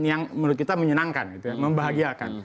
yang menurut kita menyenangkan gitu ya membahagiakan